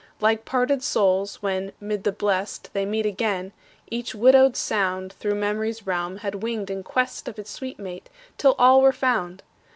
Like parted souls, when, mid the Blest They meet again, each widowed sound Thro' memory's realm had winged in quest Of its sweet mate, till all were found.